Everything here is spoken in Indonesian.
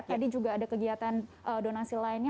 tadi juga ada kegiatan donasi lainnya